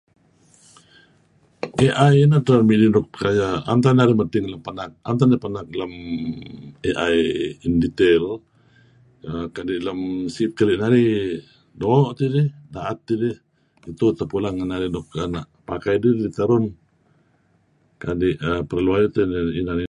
AI neh edtah nuk midih nuk aya am teh narih penak lem AI in detail kadi' lem si'it keli' narih doo' tidih da'et tidih itu terpulang ngen narih nuk ena' pakai dih terun kadi' err perlu ayu' teh inan ineh.